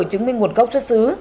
chứng minh nguồn gốc xuất xứ